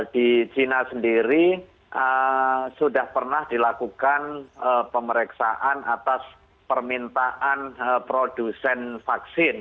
di china sendiri sudah pernah dilakukan pemeriksaan atas permintaan produsen vaksin